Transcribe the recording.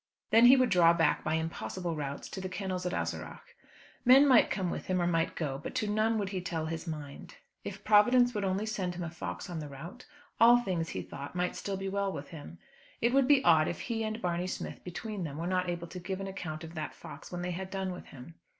Then he would draw back by impossible routes, to the kennels at Ahaseragh. Men might come with him or might go; but to none would he tell his mind. If Providence would only send him a fox on the route, all things, he thought, might still be well with him. It would be odd if he and Barney Smith, between them, were not able to give an account of that fox when they had done with him.